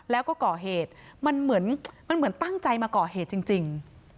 แล้วก็ก่อเหตุมันเหมือนตั้งใจมาก่อเหตุจริง